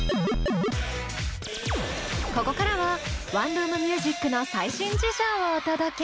ここからはワンルーム☆ミュージックの最新事情をお届け。